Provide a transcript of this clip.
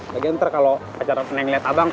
lagi ntar kalau pacaran pening liat abang